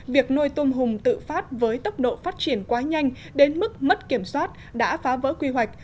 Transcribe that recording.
việc nuôi tôm hùm tự phát với tốc độ phát triển quá nhanh đến mức mất kiểm soát đã phá vỡ quy hoạch